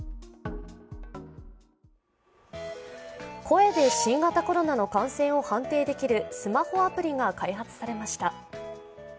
声で新型コロナの感染を判定できるスマホアプリが開発されました。